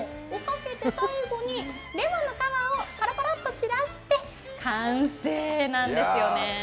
最後にレモンの皮をパラパラッと散らして完成なんですよね。